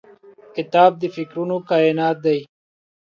کتاب د فکرونو کائنات دی.